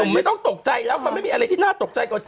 ผมไม่ต้องตกใจแล้วมันไม่มีอะไรที่น่าตกใจกว่าเธอ